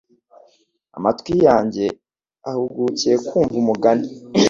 Amatwi yanjye ahugukiye kumva umugani